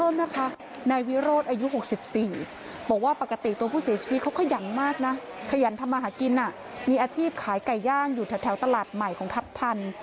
มีอาชีพขายไก่ย่างอยู่แถวแถวตลาดใหม่ของทัพทัน